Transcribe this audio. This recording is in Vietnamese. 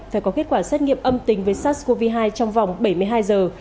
phải có kết quả xét nghiệm âm tính với sars cov hai trong vòng bảy mươi hai giờ